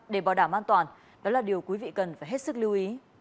để bảo đảm an toàn đó là điều quý vị cần phải hết sức lưu ý